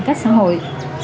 cách xã hội